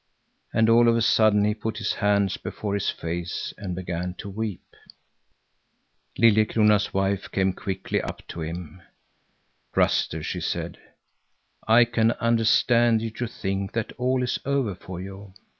And all of a sudden he put his hands before his face and began to weep. Liljekrona's wife came quickly up to him. "Ruster," she said, "I can understand that you think that all is over for you.